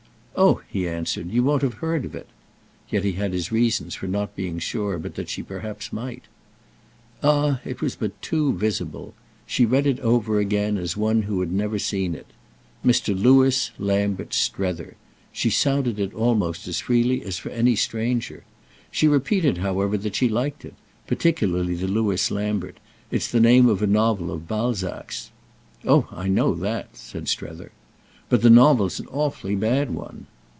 "Oh," he answered, "you won't have heard of it!" Yet he had his reasons for not being sure but that she perhaps might. Ah it was but too visible! She read it over again as one who had never seen it. "'Mr. Lewis Lambert Strether'"—she sounded it almost as freely as for any stranger. She repeated however that she liked it—"particularly the Lewis Lambert. It's the name of a novel of Balzac's." "Oh I know that!" said Strether. "But the novel's an awfully bad one."